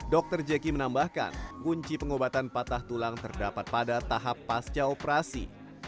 dr jeki menambahkan kunci pengobatan patah tulang terdapat pada tahap pasca operasi